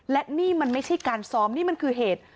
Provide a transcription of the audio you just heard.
และนี่มันไม่ใช่การซ้อมนี่มันคือเหตุ